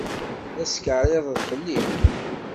La tetkeɛrireḍ fell-i?